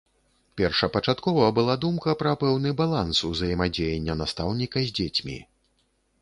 Першапачаткова была думка пра пэўны баланс узаемадзеяння настаўніка з дзецьмі.